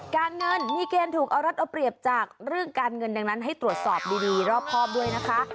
การเงินมีเกณฑ์ถูกเอารัดเอาเปรียบจากเรื่องการเงินดังนั้นให้ตรวจสอบดีรอบครอบด้วยนะคะ